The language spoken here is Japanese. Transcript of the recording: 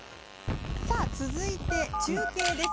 続いて、中継です。